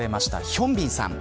ヒョンビンさん。